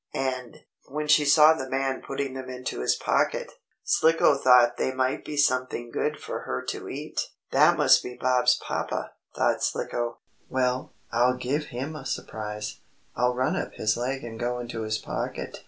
And, when she saw the man putting them into his pocket, Slicko thought they might be something good for her to eat. "That must be Bob's papa," thought Slicko. "Well, I'll give him a surprise. I'll run up his leg and go into his pocket.